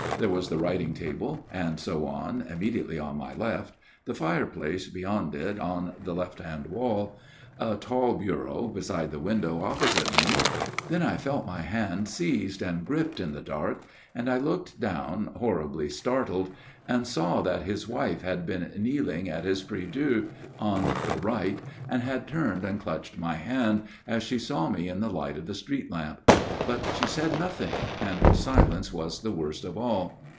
There was the writing table and so on immediately on my left, the fireplace beyond it in the left hand wall ; a tall bureau beside the window, opposite me. Then I felt my hand seized and gripped in the dark, and I looked down, horribly startled, and saw that his wife had .24 A MIRROR OF SHALOTT been kneeling at his prie dieu on the right, and had turned and clutched my hand, as she saw me in the light of the street lamp ; but she said nothing, and her silence was the worst of all.